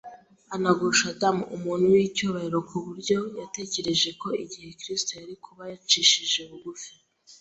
anagusha Adamu, umuntu w’icyubahiro, ku buryo yatekereje ko igihe Kristo yari kuba yicishije bugufi